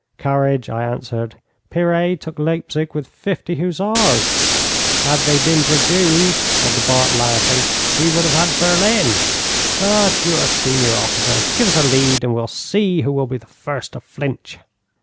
'Courage!' I answered. 'Piré took Leipzig with fifty hussars.' 'Had they been dragoons,' said the Bart, laughing, 'he would have had Berlin. But you are senior officer; give us a lead, and we'll see who will be the first to flinch.'